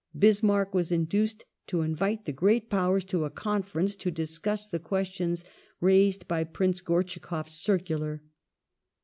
Bismarck was induced to invite the Great Powers to a conference to discuss the questions raised by Prince GortschakofTs circular.